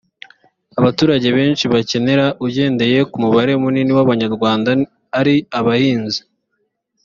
abaturage benshi bakenera ugendeye ko umubare munini w abanyarwanda ari abahinzi